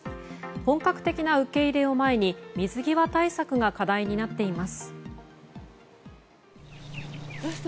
本格的な受け入れを前に水際対策が課題になっています。